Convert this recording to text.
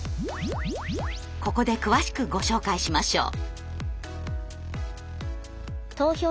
ここで詳しくご紹介しましょう。